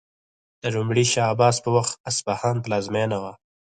د لومړي شاه عباس په وخت اصفهان پلازمینه و.